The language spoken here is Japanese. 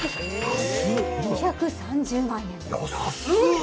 ２３０万円です。